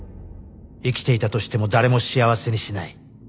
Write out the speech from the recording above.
生きていたとしても誰も幸せにしない